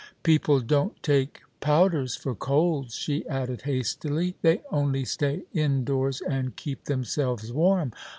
People don't take powders for colds," she added hastily ; "they only stay indoors and keep themselves warm.